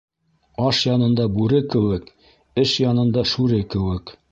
Аш янында бүре кеүек, эш янында шүре кеүек.